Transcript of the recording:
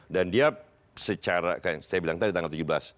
dan dia secara saya bilang tadi tanggal tujuh belas